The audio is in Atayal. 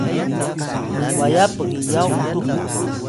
waya pgiyaw utux la!